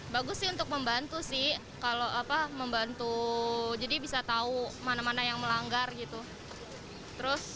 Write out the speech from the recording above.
bagus sih untuk membantu sih jadi bisa tahu mana mana yang melanggar gitu